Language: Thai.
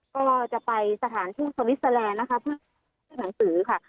ก็จะไปสถานทูตสวิสเตอร์แลนด์นะคะเพื่อยื่นหนังสือค่ะ